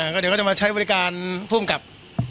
ก็เดี๋ยวจะมาใช้บริการพรุ่งกลับ